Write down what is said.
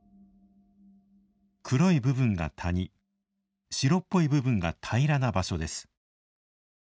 黒い部分が谷白っぽい部分が平らな場所です。